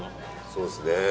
そうですね。